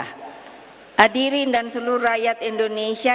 hadirin dan seluruh rakyat indonesia